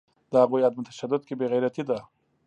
د هغوی عدم تشدد که بیغیرتي ده